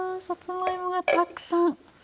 さつまいもがたくさん！